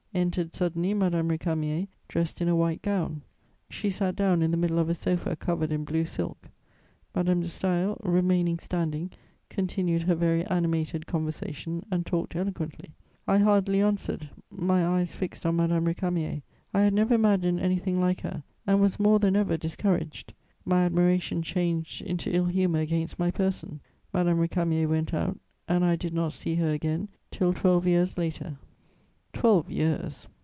Entered suddenly Madame Récamier, dressed in a white gown; she sat down in the middle of a sofa covered in blue silk. Madame de Staël, remaining standing, continued her very animated conversation, and talked eloquently; I hardly answered, my eyes fixed on Madame Récamier. I had never imagined anything like her, and was more than ever discouraged: my admiration changed into ill humour against my person. Madame Récamier went out, and I did not see her again till twelve years later. Twelve years!